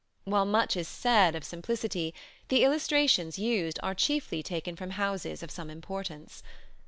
While much is said of simplicity, the illustrations used are chiefly taken from houses of some importance.